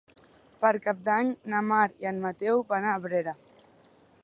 Per Cap d'Any na Mar i en Mateu van a Abrera.